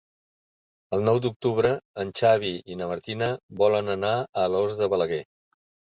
El nou d'octubre en Xavi i na Martina volen anar a Alòs de Balaguer.